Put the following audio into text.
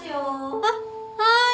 あっはーい。